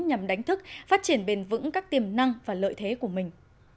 nhằm đánh thức phát triển bền vững các tiềm năng và lợi thế của mình